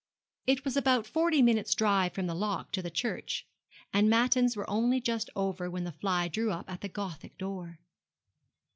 It was about forty minutes' drive from the lock to the church, and Matins were only just over when the fly drew up at the Gothic door.